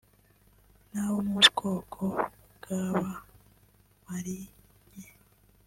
n’abo mu bwoko bw’aba Malinké